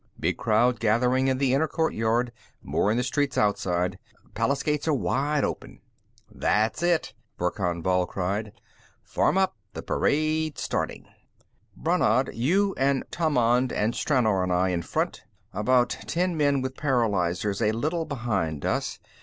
Big crowd gathering in the inner courtyard; more in the streets outside. Palace gates are wide open." "That's it!" Verkan Vall cried. "Form up; the parade's starting. Brannad, you and Tammand and Stranor and I in front; about ten men with paralyzers a little behind us.